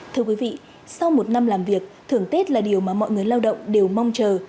thưa quý vị sau một năm làm việc thưởng tết là điều mà mọi người lao động đều mong chờ